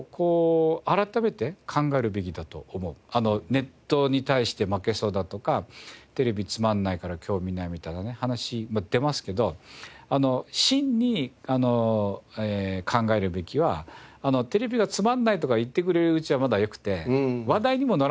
ネットに対して負けそうだとかテレビつまんないから今日見ないみたいなね話出ますけど真に考えるべきは「テレビはつまんない」とか言ってくれるうちはまだよくて。